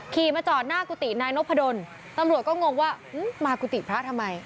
ขี่มาจอดหน้ากุฏินายนพดลตำรวจก็งงว่ามากุฏิพระทำไม